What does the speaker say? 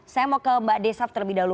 saya mau ke mbak desaf terlebih dahulu